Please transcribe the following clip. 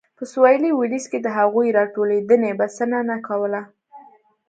په سوېلي ویلز کې د هغوی راټولېدنې بسنه نه کوله.